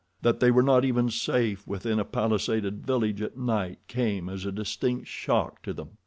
That they were not even safe within a palisaded village at night came as a distinct shock to them.